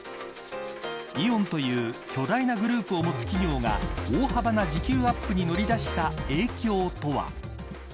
イオンという巨大なグループを持つ企業が大幅な時給アップに乗り出した影響とは。